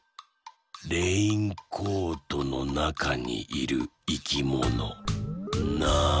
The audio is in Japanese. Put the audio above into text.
レインコートのなかにいるいきものなんだ？